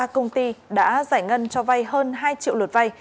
ba công ty đã giải ngân cho vay hơn hai triệu lượt vay